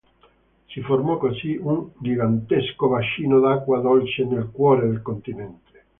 Si formò così un gigantesco bacino d'acqua dolce nel cuore del continente.